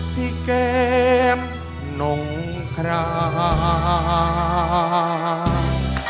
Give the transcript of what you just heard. ที่เกมนงคลาน